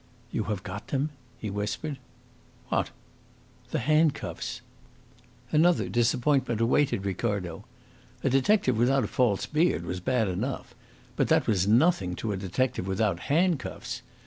"You have got them?" he whispered. "What?" "The handcuffs." Another disappointment awaited Ricardo. A detective without a false beard was bad enough, but that was nothing to a detective without handcuffs.